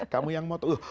kamu yang mau tuh